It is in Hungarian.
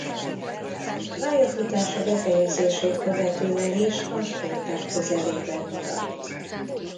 Pályafutása befejezését követően is a sportág közelében maradt.